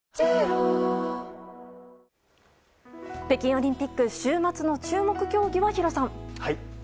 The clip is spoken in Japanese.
北京オリンピック週末の注目競技は弘さん。